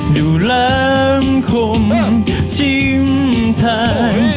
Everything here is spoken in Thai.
ดูแรงคมทิ้งทาง